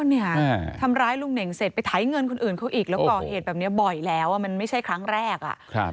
เนี่ยทำร้ายลุงเน่งเสร็จไปไถเงินคนอื่นเขาอีกแล้วก่อเหตุแบบนี้บ่อยแล้วมันไม่ใช่ครั้งแรกอ่ะ